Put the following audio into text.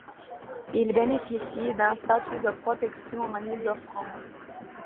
Il bénéficie d'un statut de protection en Île-de-France.